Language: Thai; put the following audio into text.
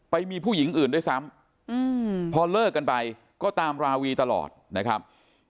ไปมีผู้หญิงอื่นด้วยซ้ำพอเลิกกันไปก็ตามราวีตลอดนะครับ